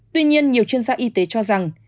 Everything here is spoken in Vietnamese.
tuy nhiên nhiều chuyên gia y tế cho rằng